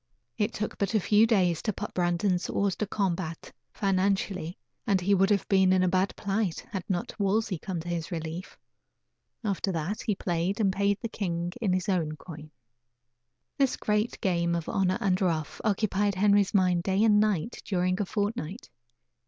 It took but a few days to put Brandon hors de combat, financially, and he would have been in a bad plight had not Wolsey come to his relief. After that, he played and paid the king in his own coin. This great game of "honor and ruff" occupied Henry's mind day and night during a fortnight.